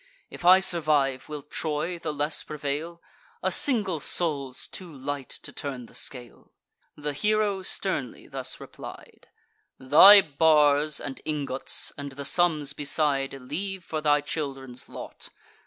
If I survive, will Troy the less prevail? A single soul's too light to turn the scale." He said. The hero sternly thus replied: "Thy bars and ingots, and the sums beside, Leave for thy children's lot.